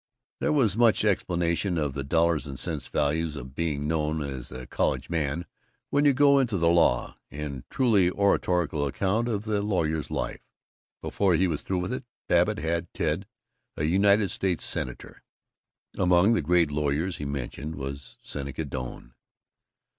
There was much explanation of the "dollars and cents value of being known as a college man when you go into the law," and a truly oratorical account of the lawyer's life. Before he was through with it, Babbitt had Ted a United States Senator. Among the great lawyers whom he mentioned was Seneca Doane.